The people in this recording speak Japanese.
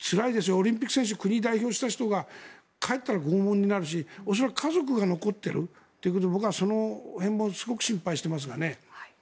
オリンピック選手国を代表した人が帰ったら拷問になるし、恐らく家族が残っているということで僕はその辺もすごく心配していますね。